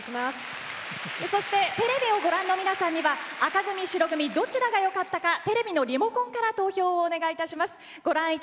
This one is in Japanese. そしてテレビをご覧の皆さんには紅組、白組どちらがよかったかテレビのリモコンから投票お願いいたします。